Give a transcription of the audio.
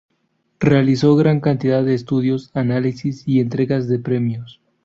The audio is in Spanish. Realizó gran cantidad de estudios, análisis y entregas de premios.